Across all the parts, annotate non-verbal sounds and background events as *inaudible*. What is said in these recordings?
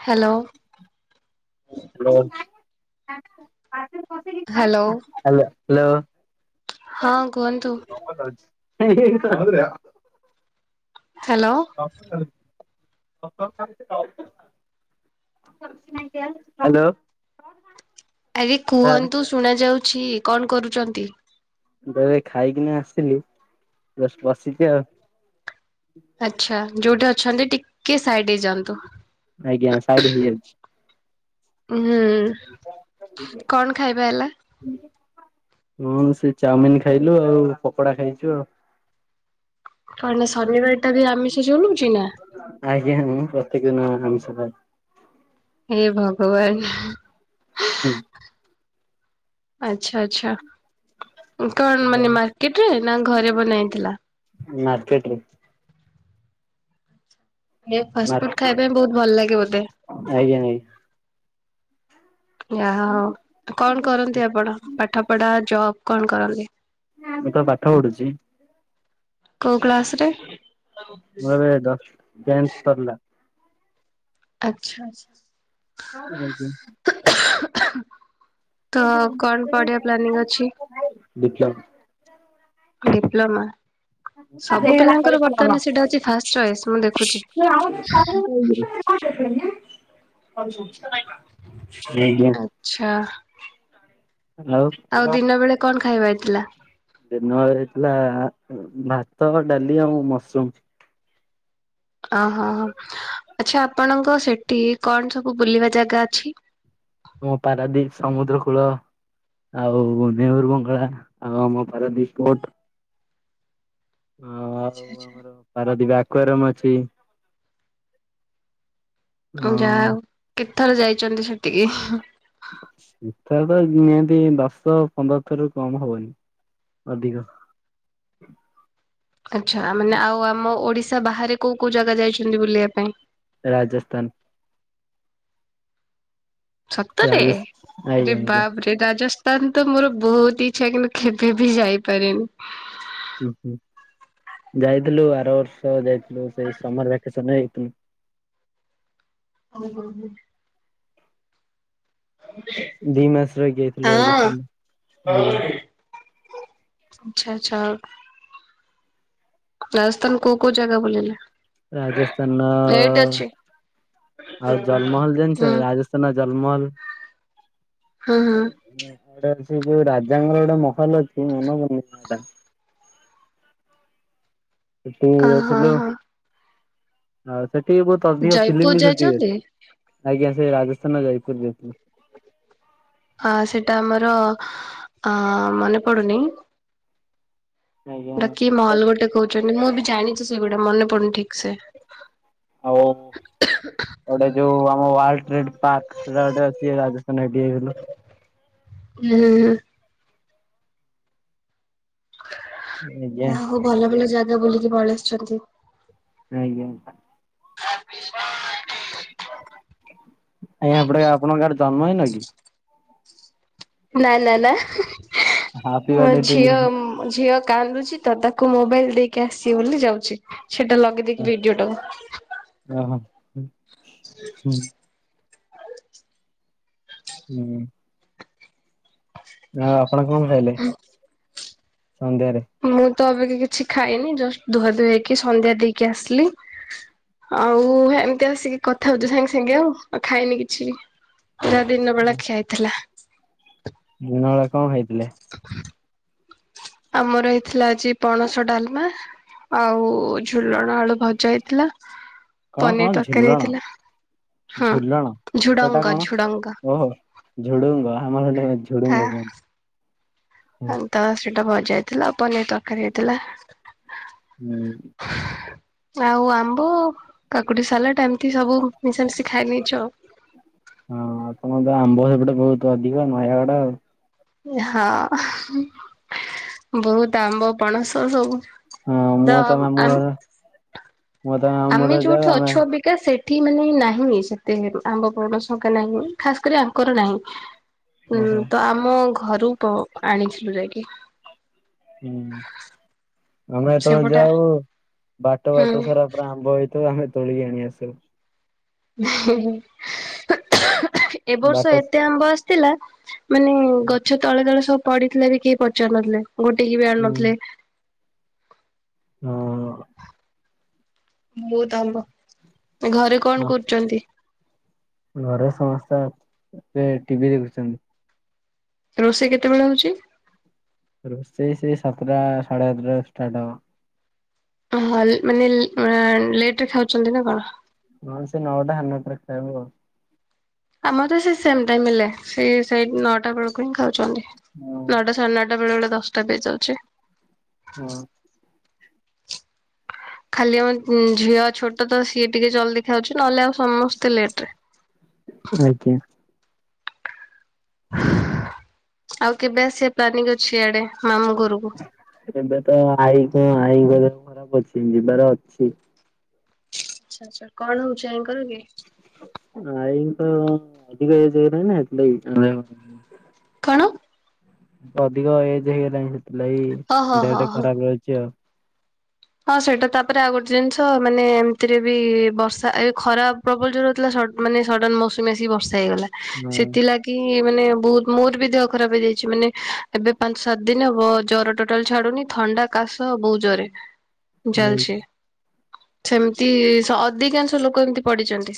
Hello hello hello hello. ହଁ କୁହନ୍ତୁ hello. Hello. Hello. ଆରେ କୁହନ୍ତୁ ଶୁଣ ଯାଉଛି। କଣ କରୁଛନ୍ତି? *unintelligible* ଖାଇକିନା ଆସିଲି ଜଷ୍ଟ ବସିଛି ଆଉ। ଆଚ୍ଛା ଯୋଉଠି ଅଛନ୍ତି ଟିକେ ସାଇଡ ହେଇଯାଆନ୍ତୁ। ଆଜ୍ଞା ସାଇଡ୍ ହେଇଯାଉଛି। ହୁଁ କଣ ଖାଇବା ହେଲା? ହୁଁ ହୁଁ ସେ ଚାଉମିନ ଖାଇଲୁ ଆଉ ପକୋଡା ଖାଇଛୁ ଆଉ। କଣ ନା ଶନିବାର ଟା ବି ଆମିଶ ଚଲୁଛି ନା? ଆଜ୍ଞା ହଁ ପ୍ରତ୍ୟେକ ଦିନ ଆମିଷ। ହେ ଭଗବାନ। ହୁଁ। ଆଚ୍ଛା ଆଚ୍ଛା। କଣ ମାନେ ମାର୍କେଟ ରେ ନା ଘରେ ବନା ହେଇଥିଲା? ମାର୍କେଟ ରେ। ଏ ଫାଷ୍ଟ ମାର୍କେ ଫୁଡ୍ ଖାଇବା ପାଇଁ ବହୁତ ଭଲ ଲାଗେ ବୋଧେ? ଆଜ୍ଞା ନାଇଁ। ଯାହା ହଉ କଣ କରନ୍ତି ଆପଣ ପାଠ ପଢା ଜବ କଣ କରନ୍ତି? ଆଜ୍ଞା ମୁଁ ତ ପାଠ ପଢୁଛି। କୋଉ କ୍ଲାସ ରେ? ମୋର ଏବେ ଜଷ୍ଟ୍ ତେନ୍ଥ ସରିଲା। ଆଚ୍ଛା ଆ। ହ ହ ତ କଣ ପଢ଼ିବା ପ୍ଲାନିଂ ଅଛି? ଡିପ୍ଲୋମା। ଡିପ୍ଲୋମା? ସବୁ ପିଲାଙ୍କର ବର୍ତ୍ତମାନ ସେଟା ହଉଛି ଫାଷ୍ଟ ଚଏସ୍ ମୁଁ ଦେଖୁଛି। ଆଜ୍ଞା ଆଛା ଆଉ ଦିନ ବେଳେ କଣ ଖାଇବା ହେଇଥିଲା? ଦିନବେଳ‌ ହେଇଥିଲା ଭାତ ଡାଲି ଆଉ ମସରୁମ। ଓହୋ ଆଚ୍ଛା ଆପଣଙ୍କ ସେଠି କଣ ସବୁ ବୁଲିବା ଜାଗା ଅଛି? ମୁଁ ପାରାଦୀପ ସମୁଦ୍ର କୂଳ। ଆଉ ନେହେରୁ ବଙ୍ଗଳା, ଆଉ ଆମ ପାରାଦୀପ ପୋର୍ଟ। ଆଚ୍ଛା ଆଚ୍ଛା। ପାରାଦିପ ଆକ୍ୱାରିୟମ୍ ଅଛି। ହଁ ଯା ଆଉ କେତେ ଥର ଯାଇଛନ୍ତି ସେଠିକି? ସେଥର ତ ନିହାତି ଦଶ ପନ୍ଦର ଥର କମ ହବନି ଅଧିକ। ଆଚ୍ଛା ମାନେ ଆଉ ଆମ ଓଡ଼ିଶା ବାହାରେ କୋଉ କୋଉ ଜାଗା ଯାଇଛନ୍ତି ବୁଲିବା ପାଇଁ? ରାଜସ୍ଥାନ। ସତରେ ରାଜ ଆରେ ଆଜ୍ଞା ଆଜ୍ଞା ବାପରେ ରାଜସ୍ ତାନ୍ ତ ମୋର ବହୁତ ଇଚ୍ଛା କିନ୍ତୁ କେବେ ବି ଯାଇପାରିନି। ହୁଁ ହୁଁ ଯାଇଥିଲୁ ଆର ବର୍ଷ ଯାଇଥିଲୁ ସେଇ ସମର ଭ୍ୟାକେସନ ରେ ଯାଇଥିଲୁ। ହୁଁ ହୁଁ ହୁଁ। ଦି ମାସ ରହିକି ଆଇଥିଲୁ ହଁ ରାଜସ୍ଥାନରେ ଆଜ୍ଞା। ଆଚ୍ଛା ଆଚ୍ଛା। ରାଜସ୍ଥାନ କୋଉ କୋଉ ଜାଗା ବୁଲିଲେ? ରାଜସ୍ଥାନ ର ଏଇଟ୍ ଅଛି ଆଉ ଜଲ୍ ମହଲ ଜାଣିଚ? ହୁଁ। ରାଜ ଜଲ୍ ମହଲ ହଁ ହଁ ତାର ସେ ଯୋଉ ରାଜାଙ୍କର ଗୋଟେ ମହଲ ଅଛି, ମନ। *unintelligible* ସେଠିକି ଅ ହଁ ଯାଇଥିଲୁ। ହଁ ଆଉ ସେଠି ବି ବହୁତ ଅଧିକ ଫିଲ୍ମ ଜୟପୁର ବି ସୁଟ୍ ହୁଏ। ଯାଇଛନ୍ତି? ଆଜ୍ଞା ସେ ରାଜସ୍ଥାନ ର ଜୟପୁର ଯାଇଥିଲୁ। ହଁ ସେଟା ଆମର ଅ ମନେ ପଡୁନି ଆଜ୍ଞା ହେଟା କି ମହଲ ଗୋଟେ କହୁଛନ୍ତି ମୁଁ ବି ଜାଣିଚି ସେଇଗୁଡା ମନେ ପଡୁନି ଠିକ୍ ସେ। ଆଉ ଆଉ ଗୋଟେ ଯୋଉ ଆମ ୱାଲ୍ ଟ୍ରିଟ୍ *unintelligible* ରାଜସ୍ଥାନ। *unintelligible* *unintelligible* ଯାହା *unintelligible* ହଉ ଭଲ ଭଲ ଜାଗା ବୁଲିକି ପଳେଇ ଆସିଚନ୍ତି। ଆଜ୍ଞା। *unintelligible* ଆଜ୍ଞା ହେପଟେ ଆପଣଙ୍କ ଆଡେ ଜନ୍ମ ହେଇନ କି? ନାଇଁ ନା ନା। ହାପି ମୋ ବାର୍ଥଡେ ଟୁ ଝିଅ ୟୁ। ଝିଅ କାନ୍ଦୁଚି। ତ ତାକୁ ମୋବାଇଲ ଦେଇକି ଆସଚି ବୋଲି ଯାଉଚି। ସେଟା ଲଗେଇ ଦେଇକି ଭିଡିଓ ଟାକୁ। ଓ ହ। ହ ହୁଁ। ହଉ ଆପଣ କଣ ଖାଇଲେ ସନ୍ଧ୍ୟାରେ? ମୁଁ ତ ଏବେକି କିଛି ଖାଇନି। ଜଷ୍ଟ ଧୁଆ ଧୁଇ ହେଇକି ସନ୍ଧ୍ୟା ଦେଇକି ଆସିଲି। ଆଉ ଏମିତି ଆସିକି କଥା ହଉଚୁ ସାଙ୍ଗେ ସାଙ୍ଗେ ଆଉ ଆଉ ଖାଇନି କିଛି ବି। ଯାହା ଦିନ ବେଳା ଖିଆ ହେଇଥିଲା। ଦିନ ବେଳା କଣ ଖାଇଥିଲେ? ଆମର ହେଇଥିଲା ଆଜି ପଣସ ଡାଲମା। ଆଉ ଝୁଲଣ ଆଳୁ ଭଜା ହେଇଥିଲା। କଣ ପନିର କଣ ତରକାରୀ ଝୁଲଣ ହେଇଥିଲା। ହଁ ଝୁଲଣ ସେଟା ଝୁଡ଼ଙ୍ଗ କଣ ଝୁଡ଼ଙ୍ଗ। ଓହୋ ଝୁଡୁଙ୍ଗ ଆମର ହେଟା ଝୁଡୁଙ୍ଗ କୁହନ୍ତି। ଆମ ତ ସେଇଟା ଭଜା ହେଇଥିଲା ଆଉ ପନିର ତରକାରୀ ହେଇଥିଲା। *unintelligible* ଆଉ ଆମ୍ବ କାକୁଡି ସାଲାଡ ଏମିତି ସବୁ ମିଶାମିଶି ଖାଇ ନେଇଚୁ ଆଉ। ହଁ। ତମର ତ ଆମ୍ବ ସେପଟେ ବହୁତ ଅଧିକ ନୟାଗଡ ଆଉ। ହଁ। ବହୁତ ଆମ୍ବ ପଣସ ସବୁ। ହଁ ତ ମୁଁ ହେତେବେଳେ ମାମୁଁ ଘର ମୁଁ ତ ମାମୁଁ ଆମେ ଘର ଯାଉ ଯୋଉଠି ଆମେ ଅଛୁ ଅବି କା ସେଠି ମାନେ ନାହିଁ ସେତେ ଆମ୍ବ ପଣଣ ଅଙ୍କା ନାହିଁ। ଖାସ୍ କରି ଆଙ୍କର ନାହିଁ। ହୁଁ, ଓହୋ ତ ଆମ ଘରୁ ପ ଆଣିଥିଲୁ ଯାଇକି। ହୁଁ। ଆମେ ଯେତେବେଳେ ସେପଟା। ଯାଉ ବାଟ ବାଟ ସାରା ହୁଁ ପୁରା ଆମ୍ବ ହେଇ ଥିବ ଆମେ ତୋଳିକି ଆଣି ଆସୁ। ଏବ ବର୍ଷ ବାଟ ଏତେ ଆମ୍ବ ଆସିଥିଲା ମାନେ ଗଛ ତଳେ ତଳେ ସବୁ ପଡିଥିଲା ବି କେହି ପଚାରୁ ନଥିଲେ। ଗୋଟେଇକି ବି ଆଣୁ ହୁଁ ନଥିଲେ। ହଁ। ବହୁତ୍ ଆମ୍ବ। ଘରେ କଣ ହଁ କରୁଚନ୍ତି? ଘରେ ସମସ୍ତେ ଏବେ ଟିଭି ଦେଖୁଛନ୍ତି। ରୋଷେଇ କେତେବେଳେ ହଉଚି? ରୋଷେଇ ସେଇ ସାତଟା ସାଢେ ସାତଟା ରେ ଷ୍ଟାର୍ଟ ହବ। *unintelligible* ମାନେ ଲେଟ୍ ରେ ଖାଉଛନ୍ତି ନା କଣ? ହଁ ସେ ନଅଟା ସାଢ଼େ ନଅଟାରେ ଖାଇବୁ ଆଉ। ଆମର ତ ସେ ସେମ ଟାଇମ ହେଲା ସେଇ ସେଇ ନଅଟା ବେଳକୁ ହିଁ ଖାଉଛନ୍ତି। ହଁ ନଅଟା ସାଢେ ନଅ ଟା ବେଳେ ବେଳେ ଦଶଟା ବି ଚାଲଛି। ହୁଁ। ଖାଲି ଆମ ଉଁ ଝିଅ ଛୋଟ ତ ସିଏ ଟିକେ ଜଲ୍ଦି ଖାଉଛି ନହେଲେ ଆଉ ସମସ୍ତେ ଲେଟ ରେ। ଆଜ୍ଞା। ଆଉ କେବେ ଆସିବା ପ୍ଲାନିଂ ଅଛି ଇଆଡେ, ମାମୁଁ ଘରକୁ। ଏବେ ତ ଆଈ କଣ ଆଈ ଙ୍କର ଖରାପ ଅଛି ଯିବାର ଅଛି। ଆଚ୍ଛା ଆଚ୍ଛା କଣ ହଉଛି ଆଇଙ୍କର କି? ଆଈଙ୍କର ଅଧିକ ଏଜ ହେଇଗଲାଣି ନା ହେଥିଲାଗି *unintelligible* କଣ? ଅଧିକ ଏଜ ହେଇଗଲାଣି ସେଥିଲାଗି ଓହୋ ହଁ ଦେହଟା ହଁ। ଖରାପ ରହୁଛି ଆଉ। ହଁ ସେଇଟା ତାପରେ ଆଉ ଗୋଟେ ଜିନିଷ ମାନେ ଏମିତିରେ ବି ବର୍ଷା ଏ ଖରା ପ୍ରବଳ ଜୋର ହଉଥିଲା ସଡ଼ ମାନେ ସଡନ ମୌସୁମୀ ଆସିକି ବର୍ଷା ହେଇଗଲା ହଁ ସେଥିଲା କି ମାନେ ବହୁତ ମୋର ବି ଦେହ ଖରାପ ହେଇଯାଇଛି ମାନେ ଏବେ ପାଞ୍ଚ ସାତ ଦିନ ହବ ଜର ଟୋଟାଲି ଛାଡୁନି। ଥଣ୍ଡା, କାଶ ବହୁ ଜୋରରେ। ଏଇ ଚାଲଛି। ସେମିତି ଅଧିକାଂଶ ଲୋକ ଏମତି ପଡିଛନ୍ତି।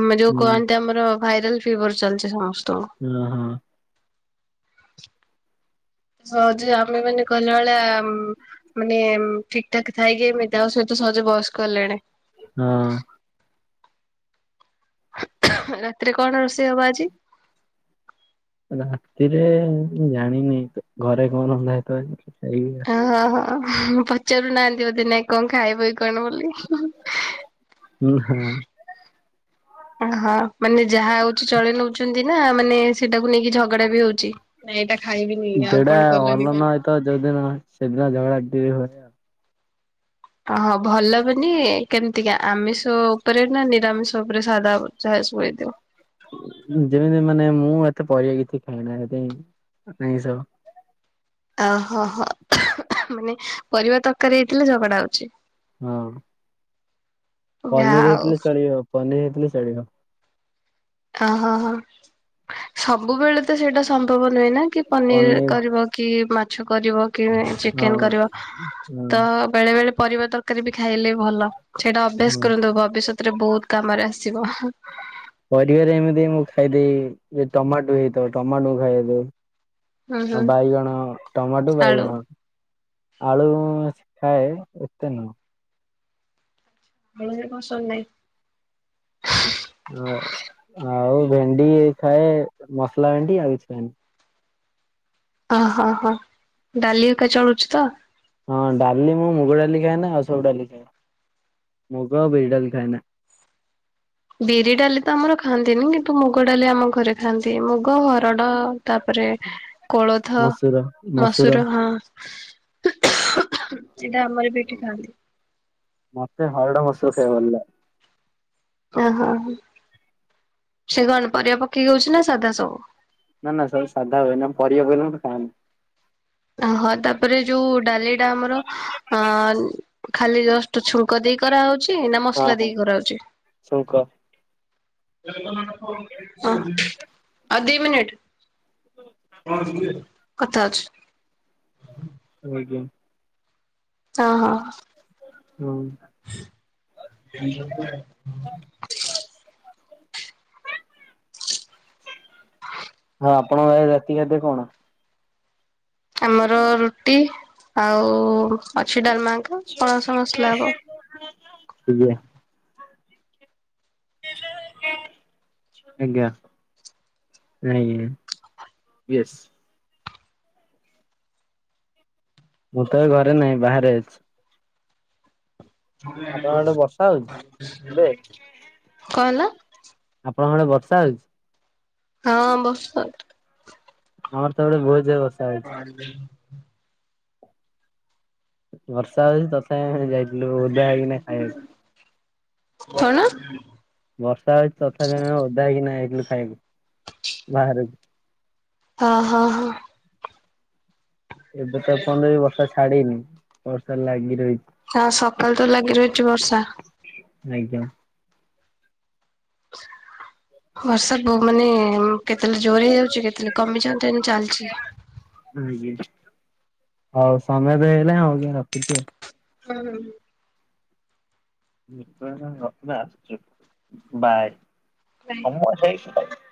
ଉମ ଯୋଉ ହୁଁ କୁହନ୍ତି ଆମର ଭାଇରାଲ ଫିଭର ଚାଲିଛି ସମସ୍ତଙ୍କୁ। ହୁଁ ହୁଁ। ହଉ ଯେ ଆମେ ମାନେ କହିଲା ଭଳିଆ ଉମ ମାନେ ଉମ ଠିକ ଠାକ୍ ଥାଇକି ଏମିତି ଆଉ ସେ ତ ସହଜେ ବୟସ୍କ ହେଲେଣି। ହଁ। ରାତିରେ କଣ ରୋଷେଇ ହବ ଆଜି? ରାତିରେ ମୁଁ ଜାଣିନି ତ ଘରେ କଣ ରନ୍ଧା ହେଇଥିବ ଆଜି ଖାଇିକି ହଁ ହଁ। ପଚାରୁ ନାହାନ୍ତି ବୋଧେ ନାଇଁ କଣ ଖାଇବ କି କଣ ବୋଲି? ହୁଁ ହାଁ। ଓହୋ ମାନେ ଯାହା ହଉଛି ଚଳେଇ ନଉଛନ୍ତି ନା ମାନେ ସେଇଟାକୁ ନେଇକି ଝଗଡା ବି ହଉଛି। ନାଇଁ ଏଇଟା ଖାଇବିନି ଆଉ କଣ କଲନି କାଇଁ ତ ଯୋଉଦିନ ସେଦିନ ଝଗଡ଼ା ବ *unintelligible* ହୁଏ ଆଉ। ହଁହଁ ଭଲ ମାନେ କେମିତିକା ଆମିଷ ଉପରେ ନା ନିରାମିଷ ଉପରେ ସାଧା ଯାହା। *unintelligible* ଯେମିତି ମାନେ ମୁଁ ଏତେ ପରିବା କିଛି ଖାଇନା *unintelligible* ଏ ସବୁ। ଆ ହ ହ, ମାନେ ପରିବା ତରକାରୀ ହେଇଥିଲେ ଝଗଡା ହଉଛି। ହଁ। ଯାହା ପନିର ହଉ ହେଇଥିଲେ ଚଳିବ, ପନିର ହେଇଥିଲେ ଚଳିବ। ଆ ହ ହ। ସବୁବେଳେ ତ ସେଇଟା ସମ୍ଭବ ନୁହେଁ ନା କି ପନିର କରିବ। କି ମାଛ କରିବ, କି ହଁ ଚିକେନ କରିବ ହଁ ତ ବେଳେ ବେଳେ ପରିବା ତରକାରୀ ବି ଖାଇଲେ ଭଲ। ସେଇଟା ଅଭ୍ୟାସ ହଁ। କରନ୍ତୁ ଭବିଷ୍ୟତରେ ବହୁତ କାମରେ ଆସିବ। ପରିବାରେ ଏମିତି ମୁଁ ଖାଇଦେଇ ଯଦି ଟମାଟୋ ହେଇଥିବ ଟମାଟୋ ମୁଁ ଖାଇବା ପାଇଁ ଆଉ ହୁଁ ବାଇଗଣ ଟମାଟୋ, ଆଳୁ। ବାଇଗଣ। ଆଳୁ ମୁଁ ଖାଏ ଏତେ ନୁହଁ। ବେଳେ ବେଳେ କଣ *unintelligible* ନାହିଁ। ହ ଆଉ ଭେଣ୍ଡି ଖାଏ ମସଲା ଭେଣ୍ଡି ଆଉ କିଛି ଖାଏନି। ଅ ହ ହ। ଡାଲି ଏକା ଚାଉଳ *unintelligible* ଅଛି ତ। ହଁ ଡାଲି ମୁଁ ମୁଗ ଡାଲି ଖାଏନା ଆଉ ସବୁ ଡାଲି ଖାଏ। ମୁଗ ଆଉ ବିରି ଡାଲି ଖାଏ ନା। ବିରି ଡାଲି ତ ଆମର ଖାଆନ୍ତିନି କିନ୍ତୁ ମୁଗ ଡାଲି ଆମ ଘରେ ଖାଆନ୍ତି। ମୁଗ, ହରଡ ତାପରେ କୋଳଥ, ମସୁର ହଁ। ସେଇଟା ଆମର ବି ଏଠି ଖାଆନ୍ତି। ମତେ ହରଡ଼, ମସୁର ଖାଇବାକୁ ଭଲଲାଗେ। ଆ ହ ହ। ସେ କଣ ପରିବା ପକେଇକି ହଉଛି ନା ସାଧା ସବୁ। ନା ନା ସବୁ ସାଧା ହୁଏ ନା ପରିବା ଫରିବା ମୁଁ ଖାଏନି। ହଁ ତାପରେ ଯୋଉ ଡାଲିଟା ଆମର ଅ ଖାଲି ଜଷ୍ଟ ଛୁ ଛୁଙ୍କ ଦେଇ କରାହେଉଛି ନା ମସଲା ଦେଇକି କରାହଉଛି। ଛୁଙ୍କ। ହ, ଅଉ ଦି ମିନିଟ। କଥା ହଉଛୁ। *unintelligible* ହଁ ହଁ। ହୁଁ। କେଉଁଝର ଯିବା? ଆପଣଙ୍କର ରାତି ଖାଦ୍ୟ କଣ? ଆମର ରୁଟି ଆଉ ଅଛି ଡାଲମାଙ୍କ। ଆଜ୍ଞା। ଆଜ୍ଞା। ନାଇ ୟେସ। ମୁଁ ତ ଏ ଘରେ ନାହିଁ ବାହାରେ ଅଛି। ଆପଣଙ୍କ ଆଡେ ବର୍ଷା ହଉଛି ଏବେ? କଣ ହେଲା ଆପଣଙ୍କ ଆଡେ ବର୍ଷା ହଉଛି? ହଁ ବର୍ଷା ହଉଚି। ଆମର ତ ଇଆଡେ ବହୁତ ଜୋରରେ ବର୍ଷା ହଉଛି। *unintelligible* ବର୍ଷା ହଉଛି ତଥାପି ଆମେ ଯାଇଥିଲୁ ଓଦା ହେଇକିନା ଖାଇବାକୁ। କଣ? ବର୍ଷା ହଉଛି ତଥାପି ଆମେ ଓଦା ହେଇକିନା ଯାଇଥିଲୁ ଖାଇବାକୁ ବାହାରକୁ। ହଁ ହଁ ହଁ। ଏବେ ତ ଏ ପର୍ଯ୍ୟନ୍ତ ବି ବର୍ଷା ଛାଡନି ବର୍ଷା ଲାଗିରହିଛି। ହ ସକାଳୁ ତ ଲାଗି ରହିଛି ବର୍ଷା। ଆଜ୍ଞା। ବର୍ଷା ବହୁ ମାନେ କେତେବେଳେ ଜୋରେ ହେଇଯାଉଛି କେତେବେଳେ କମିଯାଉଛି ଏମିତି ଚାଲିଛି। ଆଜ୍ଞା ହଉ ସମୟ ଏବେ ହେଇଗଲା ହଉ ମୁଁ ରଖୁଛି ଆଉ। ହୁଁ ହୁଁ। *unintelligible* ବାଏ। ବାଏ। ହଁ ସେଇଥିପାଇଁ